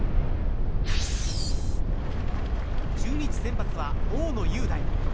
中日の先発は大野雄大。